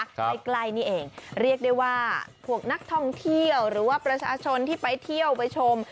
ใกล้นี่เองเรียกได้ว่าพวกนักท่องเที่ยวหรือว่าประชาชนที่ไปเที่ยวไปชม